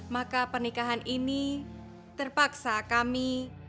maka pernikahan ini terpaksa kami